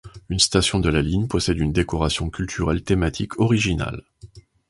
Une station de la ligne possède une décoration culturelle thématique originale.